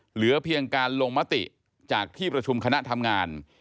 เหลือเพียงการลงมติจากที่ประชุมคณะทำงาน